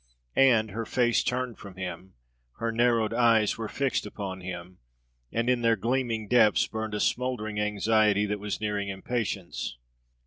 And, her face turned from him, her narrowed eyes were fixed upon him, and in their gleaming depths burned a smoldering anxiety that was nearing impatience.